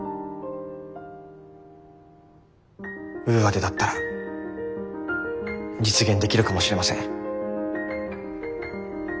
ウーアでだったら実現できるかもしれません。